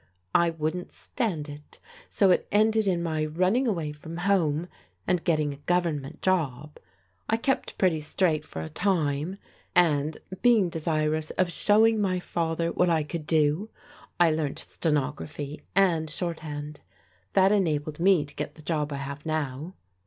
I wouldn't stand it, so it ended in my nmning away from home, and getting a Government job. I kept pretty straight for a time, and being desirous of showing my father what I could do, I learnt stenography and short hand. That enabled me to get the job I have now."